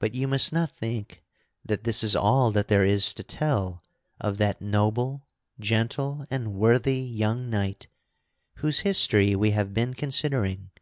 But you must not think that this is all that there is to tell of that noble, gentle and worthy young knight whose history we have been considering.